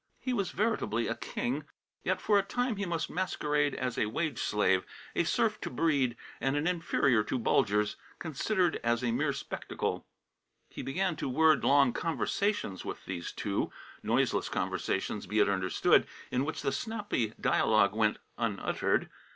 He was veritably a king, yet for a time must he masquerade as a wage slave, a serf to Breede, and an inferior of Bulger's, considered as a mere spectacle. He began to word long conversations with these two; noiseless conversations, be it understood, in which the snappy dialogue went unuttered.